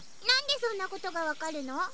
なんでそんなことがわかるの？